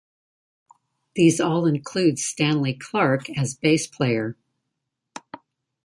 These all include Stanley Clarke as bass player.